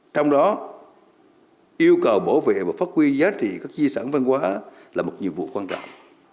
trong đó yêu cầu bảo vệ và phát huy giá trị các di sản văn hóa là một nhiệm vụ quan trọng